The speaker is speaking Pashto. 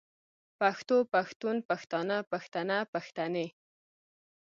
پښتو پښتون پښتانۀ پښتنه پښتنې